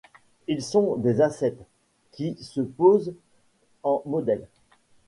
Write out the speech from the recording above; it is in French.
Ils sont des ascètes, qui se posent en modèles.